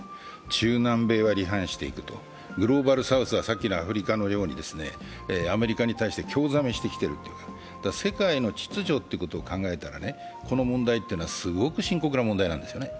中南米は離反していくとグローバルサウスはさっきのアフリカのようにアメリカに対して興ざめしてきているというか、世界の秩序ということを考えたらこの問題っていうのはすごく深刻な問題なんですよね。